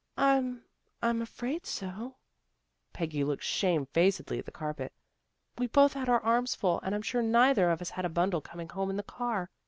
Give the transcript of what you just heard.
" "I'm I'm afraid so." Peggy looked shamed facedly at the carpet. " We both had our arms full, and I'm sure neither of us had a bundle coming home in the car.